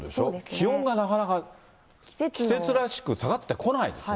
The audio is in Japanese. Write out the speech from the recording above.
気温がなかなか、季節らしく下がってこないですね。